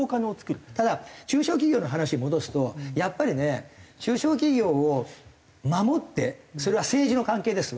ただ中小企業の話に戻すとやっぱりね中小企業を守ってそれは政治の関係ですわ。